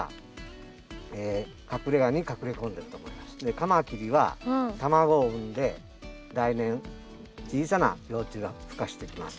カマキリは卵を産んで来年小さな幼虫がふ化してきます。